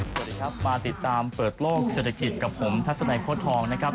สวัสดีครับมาติดตามเปิดโลกเศรษฐกิจกับผมทัศนัยโค้ดทองนะครับ